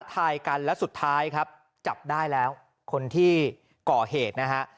ถ่ายกันและสุดท้ายจับได้แล้วแเปรอะคนที่ก่อเฮษนะฮะ